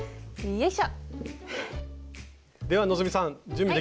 よいしょ。